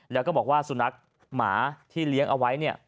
แล้วก็บอกว่าสุนัขหมาที่เลี้ยงเอาไว้เนี่ย